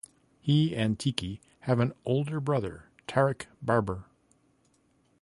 He and Tiki have an older brother, Tarik Barber.